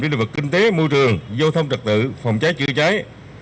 đến địa vực kinh tế môi trường giao thông trật tự phòng cháy chữa cháy